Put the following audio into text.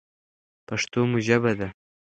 پښتو مو ژبه ده.